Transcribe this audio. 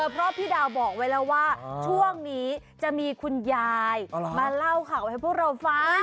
เพราะพี่ดาวบอกไว้แล้วว่าช่วงนี้จะมีคุณยายมาเล่าข่าวให้พวกเราฟัง